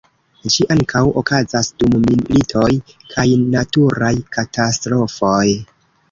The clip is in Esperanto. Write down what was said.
Ĝi ankaŭ okazas dum militoj kaj naturaj katastrofoj.